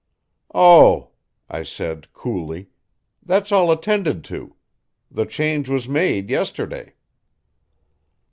"Oh," I said coolly, "that's all attended to. The change was made yesterday."